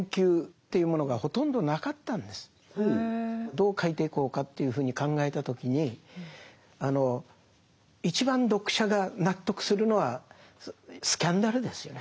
どう書いていこうかというふうに考えた時に一番読者が納得するのはスキャンダルですよね。